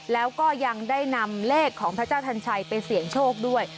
แล้วก็ยังได้นำเลขของพระเจ้าทันชัยไปเสี่ยงโชคด้วย